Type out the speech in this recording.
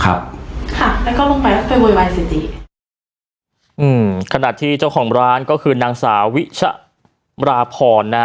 ค่ะแล้วก็ลงไปแล้วไปโวยวายสิอืมขณะที่เจ้าของร้านก็คือนางสาวิชะราพรนะฮะ